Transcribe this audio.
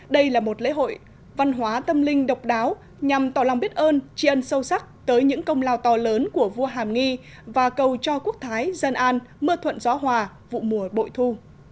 đây là một lễ hội văn hóa tâm linh độc đáo nhằm tỏ lòng biết ơn tri ân sâu sắc tới những công lao to lớn của vua hàm nghi và cầu cho quốc thái dân an mưa thuận gió hòa vụ mùa bội thu